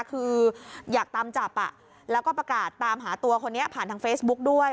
คืออยากตามจับแล้วก็ประกาศตามหาตัวคนนี้ผ่านทางเฟซบุ๊กด้วย